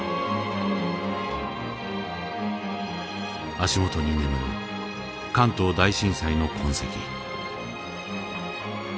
足元に眠る関東大震災の痕跡。